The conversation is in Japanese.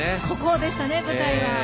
ここでしたね、舞台は。